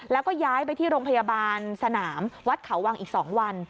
แล้วก็ย้ายไปที่โรงพยาบาลสนามวัดเขาวังอีก๒วัน